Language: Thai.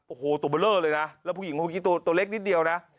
โอ้โฮตัวเบลอเลยนะแล้วผู้หญิงพวกนี้ตัวเล็กนิดเดียวนะ